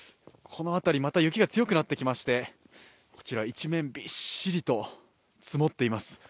この辺りまた雪が強くなってきましてこちら、一面びっしりと積もっています。